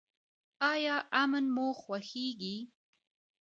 ایا امن مو خوښیږي؟